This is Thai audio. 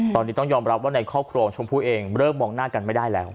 ตอนนี้ต้องยอมรับว่าในครอบครัวของชมพู่เองเริ่มมองหน้ากันไม่ได้แล้ว